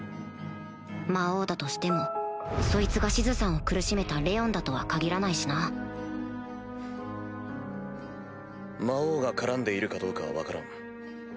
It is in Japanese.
魔王だとしてもそいつがシズさんを苦しめたレオンだとは限らないしな魔王が絡んでいるかどうかは分からん。